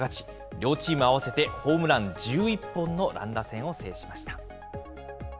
両チーム合わせてホームラン１１本の乱打戦を制しました。